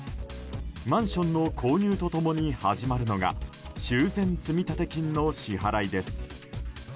マンションの購入と共に始まるのが修繕積立金の支払いです。